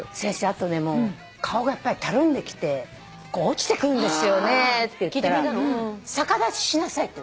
あとねやっぱり顔がたるんできてこう落ちてくるんですよねって言ったら「逆立ちしなさい」って。